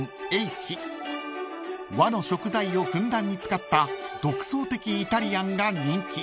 ［和の食材をふんだんに使った独創的イタリアンが人気］